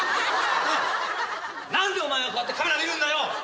何でお前はこうやってカメラ見るんだよ！